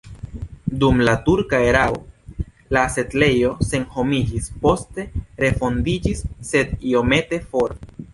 Dum la turka erao la setlejo senhomiĝis, poste refondiĝis, sed iomete for.